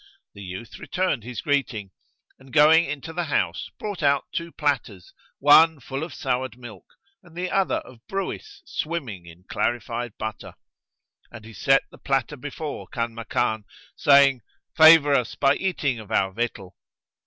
The youth returned his greeting and, going into the house, brought out two platters, one full of soured milk and the other of brewis swimming in clarified butter; and he set the platter before Kanmakan, saying "Favour us by eating of our victual."